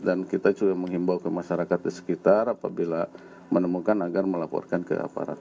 dan kita juga menghimbau ke masyarakat di sekitar apabila menemukan agar melaporkan ke aparat